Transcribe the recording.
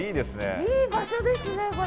いい場所ですねこれ。